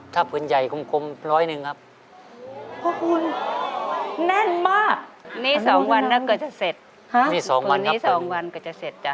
หรือนี่๒วันก็จะเสร็จจ้ะ